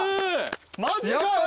マジかよ。